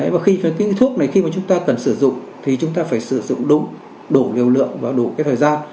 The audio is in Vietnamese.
và khi thuốc này khi mà chúng ta cần sử dụng thì chúng ta phải sử dụng đúng đủ liều lượng và đủ cái thời gian